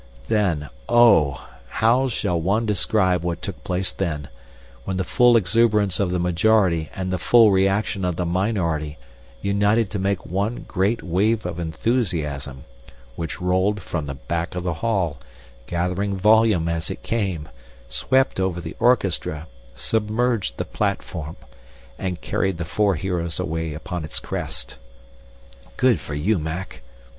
"Then oh! how shall one describe what took place then when the full exuberance of the majority and the full reaction of the minority united to make one great wave of enthusiasm, which rolled from the back of the hall, gathering volume as it came, swept over the orchestra, submerged the platform, and carried the four heroes away upon its crest?" (Good for you, Mac!)